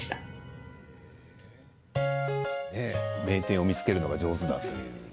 名店を見つけるのが上手だと。